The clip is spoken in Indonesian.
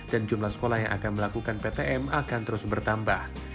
dan jumlah sekolah yang akan melakukan ptm akan terus bertambah